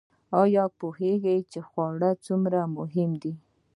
ایا پوهیږئ چې خواړه څومره مهم دي؟